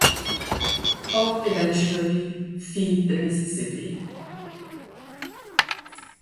All eventually feed the Mississippi.